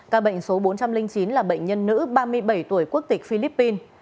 ca bệnh số bốn trăm linh chín là bệnh nhân nữ ba mươi bảy tuổi quốc tịch philippines